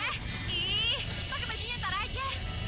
mas duki pakai bajunya ntar aja